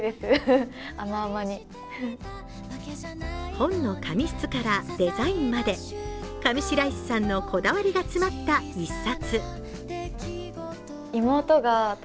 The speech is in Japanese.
本の紙質からデザインまで上白石さんのこだわりが詰まった１冊。